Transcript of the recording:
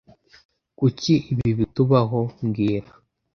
Kuki ibi bitubaho mbwira